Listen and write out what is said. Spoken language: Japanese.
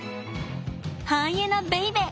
ハイエナベイベ！